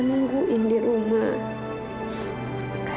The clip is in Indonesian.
maksudnya di mana